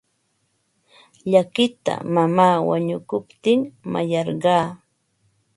Llakita mamaa wanukuptin mayarqaa.